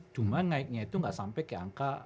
cuma naiknya itu nggak sampai ke angka